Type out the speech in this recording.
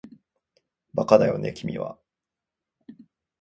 バカだよね君は